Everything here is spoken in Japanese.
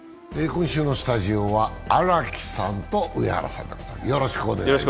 今週のスタジオは荒木さんと上原さんです。